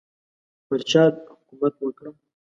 پر چا حکومت وکړم.